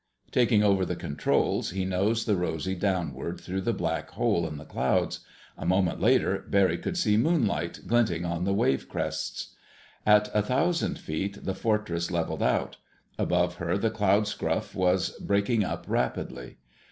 Taking over the controls, he nosed the Rosy downward through the black hole in the clouds. A moment later Barry could see moonlight glinting on the wave crests. At a thousand feet the Fortress leveled out. Above her the cloud scuff was breaking up rapidly.